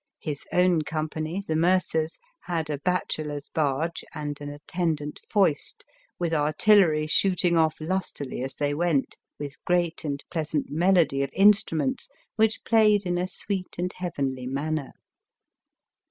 His own company, the mercer's, had a bachelor's barge and an attendant foist, with artillery shooting offlustily as they went, with great and pleasant melody of instruments, which played in a sweet and heavenly manner."